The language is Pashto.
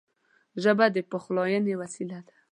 ژبه د پخلاینې وسیله ده